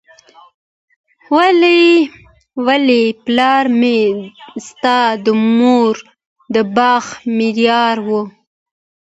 وايي پلار مي ستا د مور د باغ ملیار وو